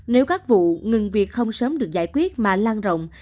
nếu các vụ ngừng việc không sớm được giải quyết mà lan rộng